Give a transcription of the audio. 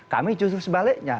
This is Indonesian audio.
kami justru sebaliknya